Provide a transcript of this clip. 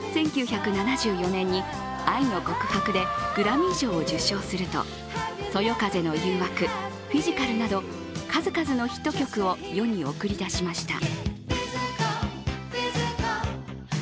１９７４年に「愛の告白」でグラミー賞を受賞すると「そよ風の誘惑」、「フィジカル」など数々のヒット曲を世に送り出しました。